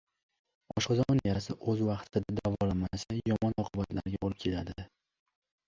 Oshqozon yarasi o‘z vaqtida davolanmasa yomon oqibatlarga olib keladi